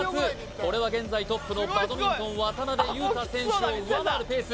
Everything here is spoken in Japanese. これは現在トップのバドミントン渡辺勇大選手を上回るペース